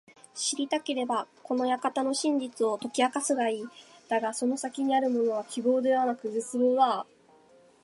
知りたければ、この館の真実を解き明かすがいい。だがその先にあるものは…希望ではなく絶望だ。